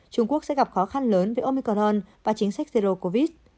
trung quốc sẽ gặp khó khăn lớn với omicron và chính sách rero covid